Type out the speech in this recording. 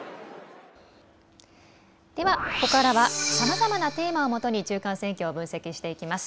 ではここからはさまざまなテーマをもとに中間選挙を分析していきます。